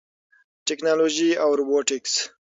ټیکنالوژي او روبوټکس